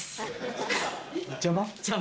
邪魔？